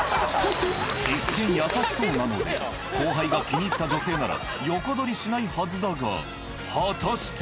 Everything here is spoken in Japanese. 一見優しそうなので後輩が気に入った女性なら横取りしないはずだが果たして。